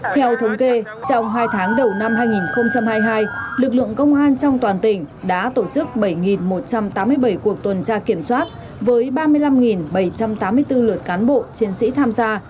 theo thống kê trong hai tháng đầu năm hai nghìn hai mươi hai lực lượng công an trong toàn tỉnh đã tổ chức bảy một trăm tám mươi bảy cuộc tuần tra kiểm soát với ba mươi năm bảy trăm tám mươi bốn lượt cán bộ chiến sĩ tham gia